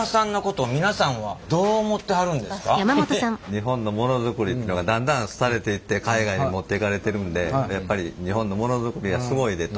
日本のモノづくりってのがだんだん廃れていって海外に持っていかれてるんでやっぱり日本のモノづくりはすごいでと。